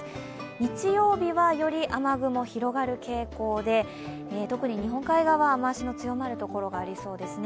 日曜日はより雨雲が広がる傾向で特に日本海側、雨足の強まるところがありそうですね。